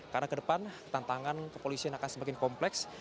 karena ke depan tantangan kepolisian akan semakin kompleks